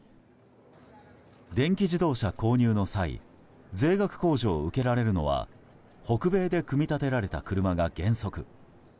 電気自動車購入の際税額控除を受けられるのは北米で組み立てられた車が原則。